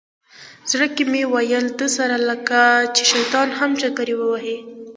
زړه کې مې ویل ده سره لکه چې شیطان هم چکر ووهي.